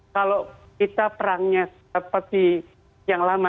kalau kita perangnya seperti yang lama